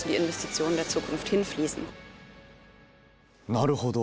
なるほど。